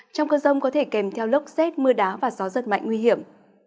trong cơn rông có thể kèm theo lốc xét mưa đá và gió rất mạnh nguy hiểm